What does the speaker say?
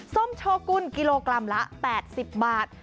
ส้มโชกุลกิโลกรัมละ๘๐บาท